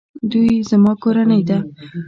دوی زما کورنۍ ده